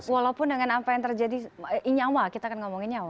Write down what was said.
walaupun dengan apa yang terjadi inyawa kita akan ngomong inyawa